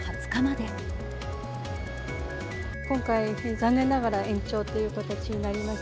今回、残念ながら延長という形になります。